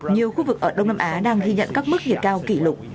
nhiều khu vực ở đông nam á đang ghi nhận các mức nhiệt cao kỷ lục